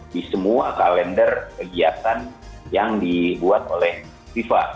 di semua kalender kegiatan yang dibuat oleh fifa